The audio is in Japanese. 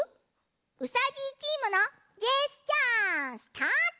うさじいチームのジェスチャースタート！